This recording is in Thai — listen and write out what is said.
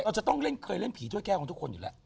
เราจะต้องเล่นเคยเล่นผีถ้วยแก้วของทุกคนอยู่แล้ว